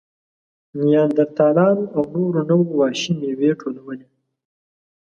نیاندرتالانو او نورو نوعو وحشي مېوې ټولولې.